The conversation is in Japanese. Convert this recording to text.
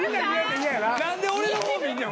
何で俺の方見んねん。